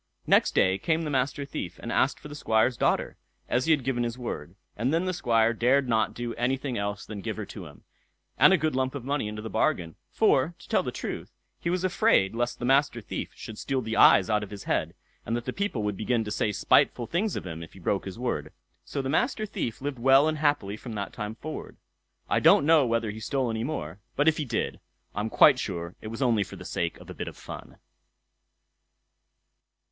Next day came the Master Thief and asked for the Squire's daughter, as he had given his word; and then the Squire dared not do anything else than give her to him, and a good lump of money into the bargain; for, to tell the truth, he was afraid lest the Master Thief should steal the eyes out of his head, and that the people would begin to say spiteful things of him if he broke his word. So the Master Thief lived well and happily from that time forward. I don't know whether he stole any more; but if he did, I am quite sure it was only for the sake of a bit of fun.